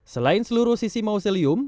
selain seluruh sisi mausolium